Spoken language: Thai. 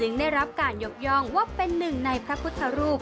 แต่ละวันค่ะก็จะมีประชาชนทั้งในและนอกพื้นที่เดินทางไปสักการะพระพุทธชินราช